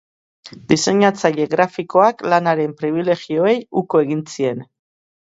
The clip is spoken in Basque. Diseinatzaile grafikoak lanaren pribilegioei uko egin zien.